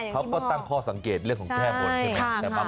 เขาก็ตั้งข้อสังเกตเรื่องของแก้บนใช่ไหม